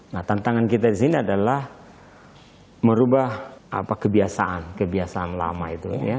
nah tantangan kita disini adalah merubah kebiasaan kebiasaan lama itu ya